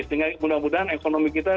sehingga mudah mudahan ekonomi kita